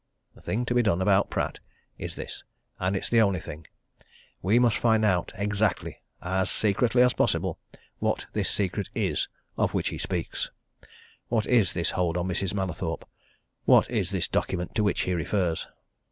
The thing to be done about Pratt is this and it's the only thing. We must find out exactly, as secretly as possible what this secret is of which he speaks. What is this hold on Mrs. Mallathorpe? What is this document to which he refers?